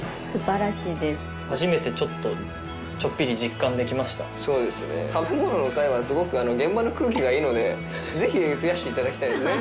初めてちょっと食べ物の回はすごく現場の空気がいいのでぜひ増やして頂きたいですね。